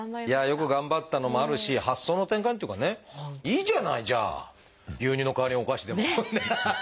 よく頑張ったのもあるし発想の転換っていうかねいいじゃないじゃあ牛乳の代わりにお菓子でもハハハ！